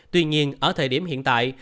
tuy nhiên ở thời điểm hiện tại